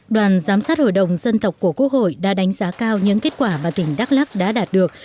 đoàn giám sát hội đồng dân tộc của quốc hội đã đánh giá cao những kết quả mà tỉnh đắk lắc đã đạt được